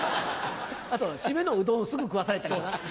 あと締めのうどんをすぐ食わされたりな。